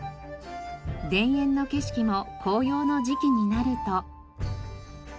田園の景色も紅葉の時期になると。